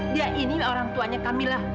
dia ini orang tuanya kamilah